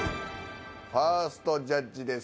ファーストジャッジです。